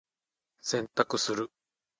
洗濯する。